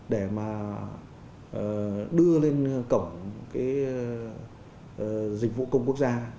để mà đưa lên cổng cái dịch vụ công quốc gia